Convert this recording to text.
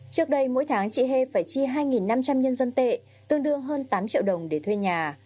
trước đây mỗi tháng chị hê phải chi hai năm trăm linh nhân dân tệ tương đương hơn tám triệu đồng để thuê nhà